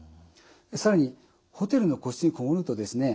更にホテルの個室に籠もるとですね